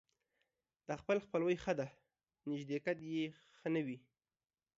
د خپل خپلوي ښه ده ، نژدېکت يې ښه نه دى.